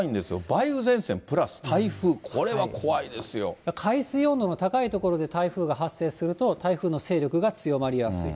梅雨前線プラス台風、これは怖い海水温度が高い所で台風が発生すると、台風の勢力が強まりやすい。